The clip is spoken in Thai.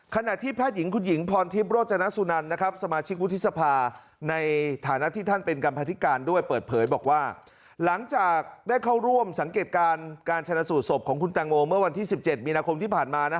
ขณะที่แพทย์หญิงคุณหญิงพรทิพย์โรจนสุนันนะครับ